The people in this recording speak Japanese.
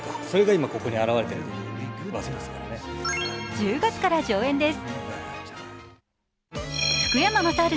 １０月から上演です。